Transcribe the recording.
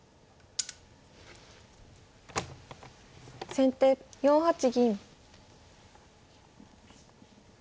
先手４八銀。